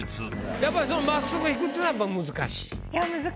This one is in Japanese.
やっぱり真っすぐ引くっていうのは難しい？